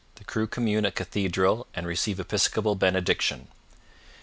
The crew commune at Cathedral and receive Episcopal Benediction.